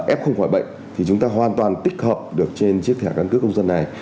f không khỏi bệnh thì chúng ta hoàn toàn tích hợp được trên chiếc thẻ căn cước công dân này